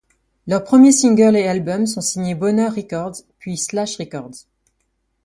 Leurs premiers singles et albums sont signés Boner Records puis Slash Records.